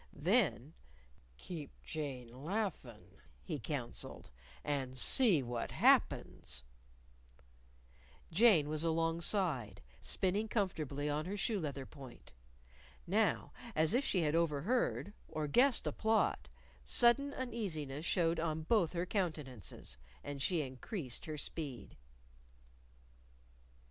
Then, "Keep Jane laughin'," he counseled, " and see what happens." Jane was alongside, spinning comfortably on her shoe leather point. Now, as if she had overheard, or guessed a plot, sudden uneasiness showed on both her countenances, and she increased her speed.